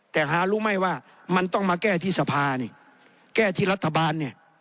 แต่หารู้ไม่ว่ามันต้องมาแก้ที่สภาแก้ที่รัฐบาล